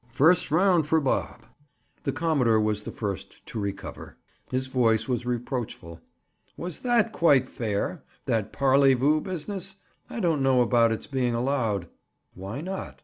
First round for Bob! The commodore was the first to recover. His voice was reproachful. "Was that quite fair?—that parleyvoo business? I don't know about it's being allowed." "Why not?"